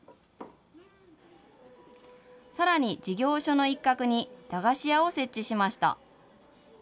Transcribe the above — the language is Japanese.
さらに、事業所の一角に駄菓子屋を設置しました。